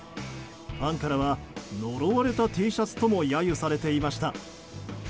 ファンからは呪われたＴシャツとも揶揄されていました。